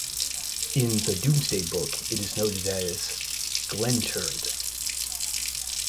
In the "Domesday Book" it is noted as "Glentewrde".